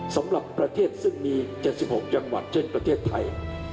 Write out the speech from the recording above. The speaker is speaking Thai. สำหรับประเทศซึ่งมี๗๖จังหวัดเช่นประเทศไทย